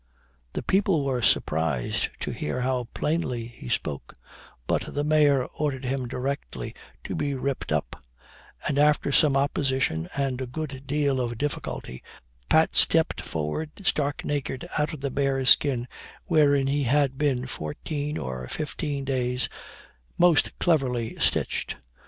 The people were surprised to hear how plainly he spoke but the mayor ordered him directly to be ripped up; and after some opposition, and a good deal of difficulty, Pat stepped forth stark naked out of the bear's skin wherein he had been fourteen or fifteen days most cleverly stitched.